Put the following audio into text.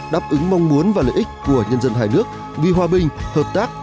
đáp ứng mong muốn và lợi ích của nhân dân hai nước vì hòa bình hợp tác